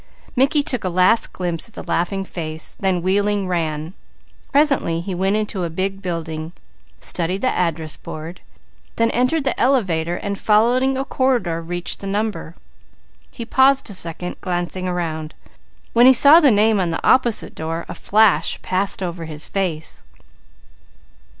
Mickey took a last glimpse at the laughing face, then wheeling ran. Presently he went into a big building, studied the address board, then entered the elevator and following a corridor reached the number. He paused a second, glancing around, when he saw the name on the opposite door. A flash passed over his face.